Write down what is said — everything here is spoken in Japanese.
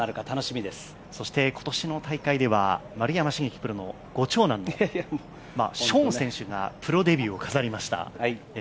そして今年の大会では丸山茂樹プロのご長男の奬王選手がプロデビューを飾りました。